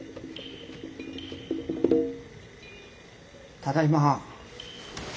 ただいま。